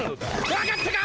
分かったか！